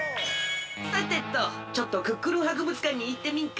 さてとちょっとクックルンはくぶつかんにいってみんか？